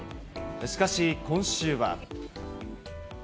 しかし、今週は。